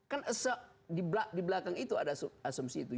kan di belakang itu ada asumsi itu